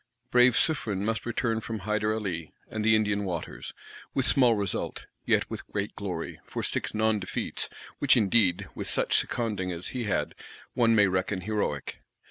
Brave Suffren must return from Hyder Ally and the Indian Waters; with small result; yet with great glory for "six" non defeats;—which indeed, with such seconding as he had, one may reckon heroic.